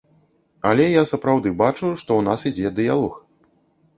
Але я сапраўды бачу, што ў нас ідзе дыялог.